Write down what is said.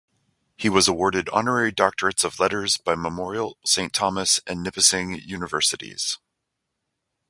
He was awarded honorary doctorates of letters by Memorial, Saint Thomas, and Nipissing universities.